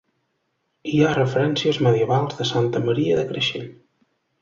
Hi ha referències medievals de Santa Maria de Creixell.